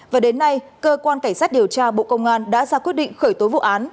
và đến nay cơ quan cảnh sát điều tra bộ công an đã ra quyết định khởi tố vụ án